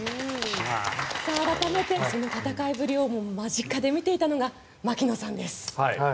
改めて、その戦いぶりを間近で見ていたのが槙野さんです。